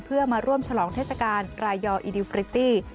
เพื่อมาร่วมฉลองเทศกาลรายยอีดิวฟริตตี้